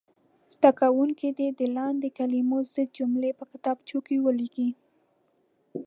زده کوونکي دې د لاندې کلمو ضد کلمې په کتابچو کې ولیکي.